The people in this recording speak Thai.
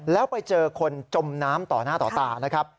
แล้วไปเจอคนจมน้ำต่อหน้าต่อตานะครับ